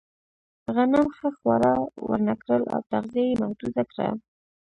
غنم ښه خواړه ورنهکړل او تغذیه یې محدوده کړه.